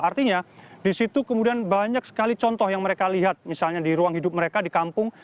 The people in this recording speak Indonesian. artinya di situ kemudian banyak sekali contoh yang mereka lihat misalnya di ruang hidup mereka di kampung